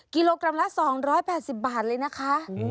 กิโลกรัมละ๒๘๐บาทเลยนะคะ